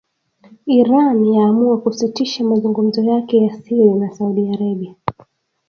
Iran yaamua kusitisha mazungumzo yake ya siri na Saudi Arabia